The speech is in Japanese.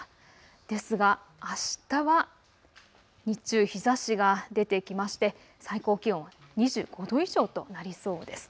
ですが、あしたは日中、日ざしが出てきまして最高気温２５度以上となりそうです。